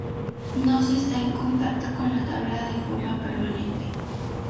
No se está en contacto con la tabla de forma permanente.